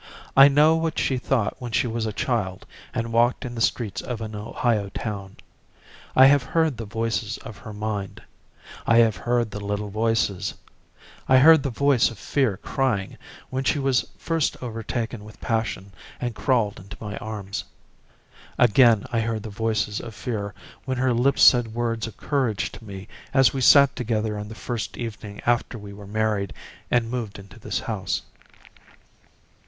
I know what she thought when she was a child and walked in the streets of an Ohio town. I have heard the voices of her mind. I have heard the little voices. I heard the voice of fear crying when she was first overtaken with passion and crawled into my arms. Again I heard the voices of fear when her lips said words of courage to me as we sat together on the first evening after we were married and moved into this house.